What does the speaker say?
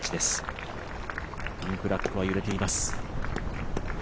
ピンフラッグが揺れています。